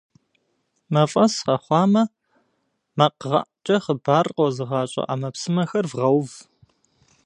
Мафӏэс къэхъуамэ, макъгъэӏукӏэ хъыбар къозыгъащӏэ ӏэмэпсымэхэр вгъэув! .